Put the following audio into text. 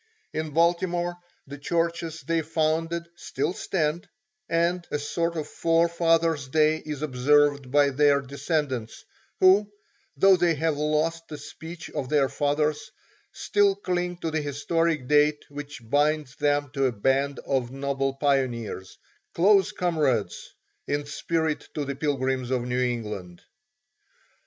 In Baltimore the churches they founded still stand, and a sort of Forefathers' Day is observed by their descendants, who, though they have lost the speech of their fathers, still cling to the historic date which binds them to a band of noble pioneers close comrades in spirit to the Pilgrims of New England.